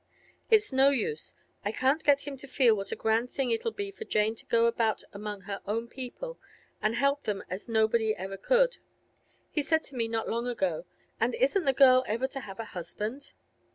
It's no use; I can't get him to feel what a grand thing it'll be for Jane to go about among her own people and help them as nobody ever could. He said to me not long ago, "And isn't the girl ever to have a husband?"